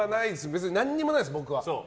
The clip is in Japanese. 別に何にもないです、僕は。